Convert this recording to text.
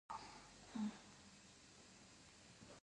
د مڼو د ونو د تور داغ ناروغي څه ده؟